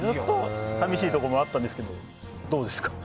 寂しいところもあったんですけどどうですか？